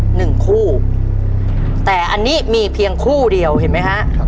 หนึ่งคู่แต่อันนี้มีเพียงคู่เดียวเห็นไหมฮะครับ